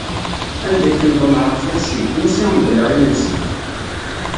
Anda akken ḍemɛeɣ tixsi, i nsiɣ mebla imensi.